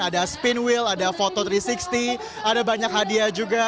ada spin wheel ada foto tiga ratus enam puluh ada banyak hadiah juga